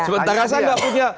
sementara saya enggak punya